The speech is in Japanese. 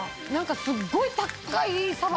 すっごい高いサバ